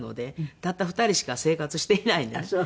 たった２人しか生活していないんでね。